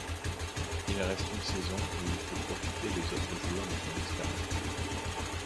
Il reste une saison où il fait profiter les autres joueurs de son expérience.